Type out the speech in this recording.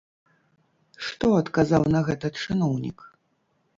Што адказаў на гэта чыноўнік?